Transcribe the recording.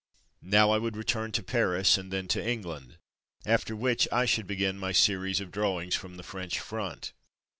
Now I would return to Paris and then to England, after which I should begin my series of drawings from the French front.